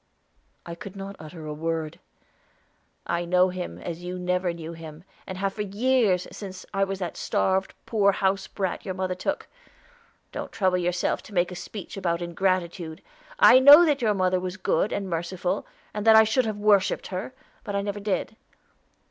I could not utter a word. "I know him as you never knew him, and have for years, since I was that starved, poor house brat your mother took. Don't trouble yourself to make a speech about ingratitude. I know that your mother was good and merciful, and that I should have worshiped her; but I never did.